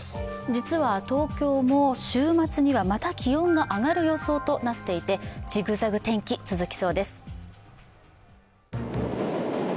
実は東京も週末にはまた気温が上がる予想となっていてジグザグ天気、続きそうです。